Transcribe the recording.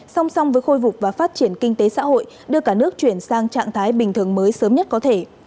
song song với khôi phục và phát triển kinh tế xã hội đưa cả nước chuyển sang trạng thái bình thường mới sớm nhất có thể